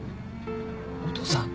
お父さん？